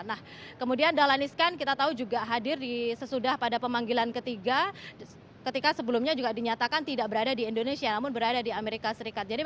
nah kemudian dahlan iskan kita tahu juga hadir sesudah pada pemanggilan ketiga ketika sebelumnya juga dinyatakan tidak berada di indonesia namun berada di amerika serikat